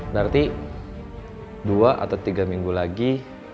berarti dua atau tiga minggu lagi